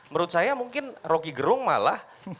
menurut saya mungkin rocky gerung malah